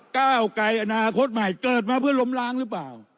ก้าวไกรอนาคตใหม่เกิดมาเพื่อล้มล้างหรือเปล่า